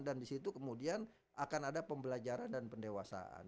dan disitu kemudian akan ada pembelajaran dan pendewasaan